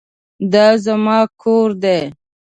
دا زما کور دی